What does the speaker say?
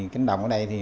cánh đồng ở đây